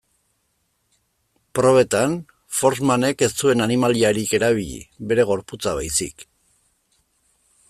Probetan, Forssmanek ez zuen animaliarik erabili, bere gorputza baizik.